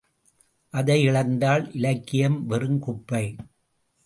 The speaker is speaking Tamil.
அதை இழந்தால் இலக்கியம் வெறும் குப்பை.